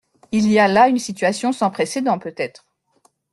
Il y a là une situation sans précèdent peut-être.